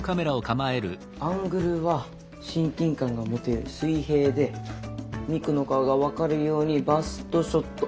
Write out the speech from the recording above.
アングルは親近感が持てる水平でミクの顔が分かるようにバストショット。